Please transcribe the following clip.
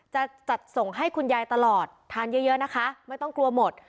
จะจัดส่งให้คุณยายตลอดทานเยอะนะคะไม่ต้องกลัวหมด